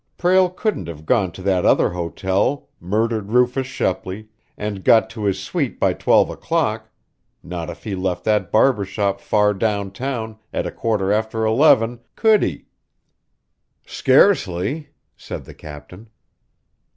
Prale couldn't have gone to that other hotel, murdered Rufus Shepley, and got to his suite by twelve o'clock, not if he left that barber shop far downtown at a quarter after eleven, could he?" "Scarcely," said the captain.